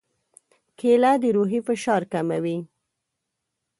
کېله د روحي فشار کموي.